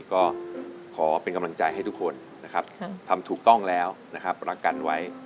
ก็ขอเป็นกำลังใจให้ทุกคนทำถูกต้องแล้วรักกันไว้